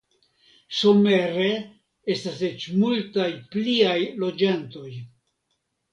Somere estas eĉ multaj pliaj loĝantoj.